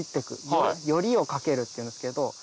撚りをかけるっていうんですけど。